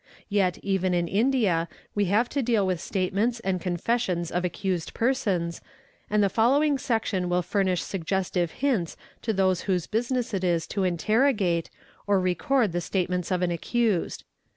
Yet even in India we have to leal with statements and confessions of accused persons, and the follow 1g section will furnish suggestive hints to those whose business it is to iterrogate, or record the statements of an accused.